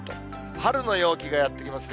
春の陽気がやって来ますね。